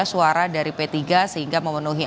sudah sudah diangkat daripada jambika pariw conect gitu